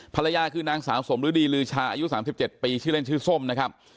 ภรรยาคือนางสาวสมฤดีลือชาอายุ๓๗ปีชื่อเล่นชื่อส้มนะครับ